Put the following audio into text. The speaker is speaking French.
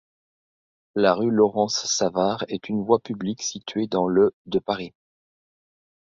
La rue Laurence-Savart est une voie publique située dans le de Paris.